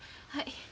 はい。